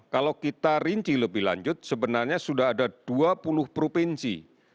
kalau kita rinci lebih lanjut sebenarnya sudah ada dua puluh provinsi